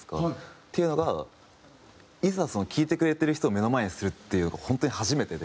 っていうのがいざ聴いてくれてる人を目の前にするっていうのが本当に初めてで。